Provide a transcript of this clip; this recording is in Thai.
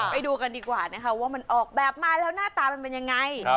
ไปดูกันดีกว่านะคะว่ามันออกแบบมาแล้วหน้าตามันเป็นยังไง